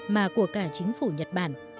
mà của cả chính phủ nhật bản